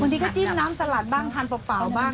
ทางนี้ก็จิ้มน้ำสะหรับบ้างทานเปราะบ้าง